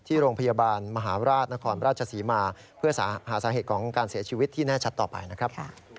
ที่โรงพยาบาลมหาราชนครราชศรีมาเพื่อหาสาเหตุของการเสียชีวิตที่แน่ชัดต่อไปนะครับ